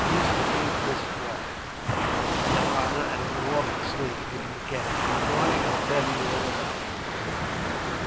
Jist drink this draught, yer honor, and go off to sleep, if you can. In the morning I'll tell you all about it.